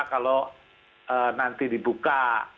kalau nanti dibuka